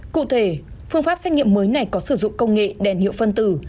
cụ thể phương pháp xét nghiệm mới này có sử dụng công nghệ đèn hiệu phân tử